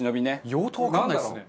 用途わかんないですね。